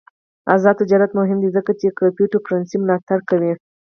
آزاد تجارت مهم دی ځکه چې کریپټو کرنسي ملاتړ کوي.